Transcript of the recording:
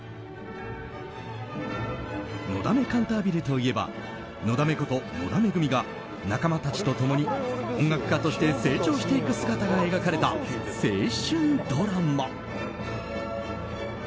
「のだめカンタービレ」といえばのだめこと、野田恵が仲間たちと共に音楽家として成長していく姿が描かれた青春ドラマ。